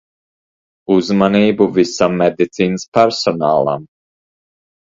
Uzmanību visam medicīnas personālam.